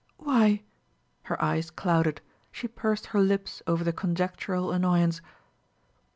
"Why " Her eyes clouded; she pursed her lips over the conjectural annoyance.